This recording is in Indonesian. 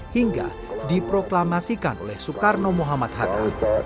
hingga diproklamasikan oleh soekarno muhammad hatta